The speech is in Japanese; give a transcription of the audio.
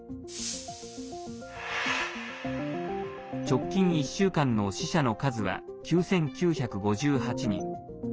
直近１週間の死者の数は９９５８人。